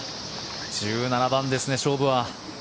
１７番ですね、勝負は。